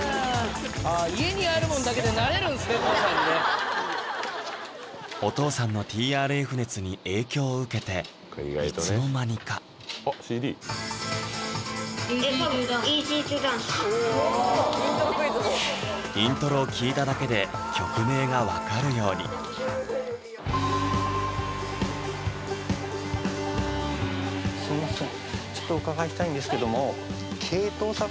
あ家にあるもんだけでなれるんすねＫＯＯさんにねお父さんの「ＴＲＦ」熱に影響を受けていつの間にかイントロを聴いただけで曲名が分かるようにすいません